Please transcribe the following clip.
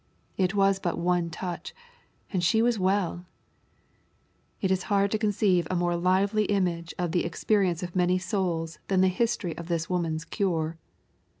It was but one touch, and she was well ! It is hard to conceive a more lively image of the ex perience of many souls than the history of this woman's cure.